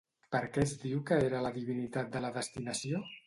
Per què es diu que era la divinitat de la destinació?